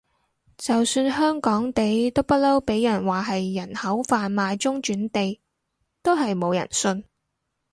就算香港地都不嬲畀人話係人口販賣中轉地，都係冇人信